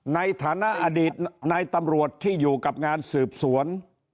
ในฐานะอดีตนายตำรวจที่อยู่กับงานสืบสวน